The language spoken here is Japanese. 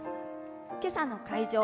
けさの会場